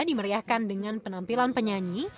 dimeriahkan dengan penampilan penyanyi